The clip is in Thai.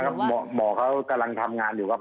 หมอเขากำลังทำงานอยู่ครับ